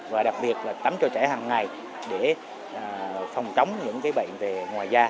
và đặc biệt là tắm cho trẻ hằng ngày để phòng chống những bệnh về ngoài da